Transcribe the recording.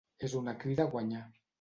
És una crida a guanyar.